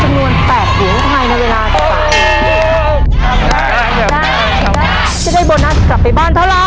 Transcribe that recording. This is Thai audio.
จะได้บอนัสกลับไปบ้านเท่านั้น